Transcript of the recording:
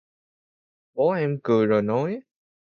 Bố em cười rồi nói